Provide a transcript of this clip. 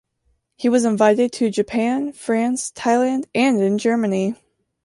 He was invited to Japan, France, Thailand and in Germany.